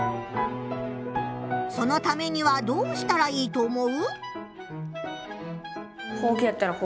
そのためにはどうしたらいいと思う？